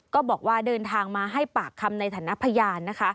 ก็บอกว่าเดินทางมาให้ปากคำในฐานะพยานนะคะ